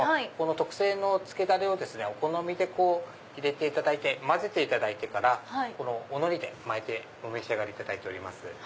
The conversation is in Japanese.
特製のつけダレをお好みで入れて混ぜていただいてからお海苔で巻いてお召し上がりいただいております。